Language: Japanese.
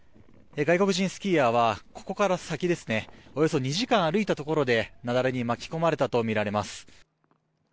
外国人スキーヤーはここから先およそ２時間歩いたところで雪崩に巻き込まれたとみられます。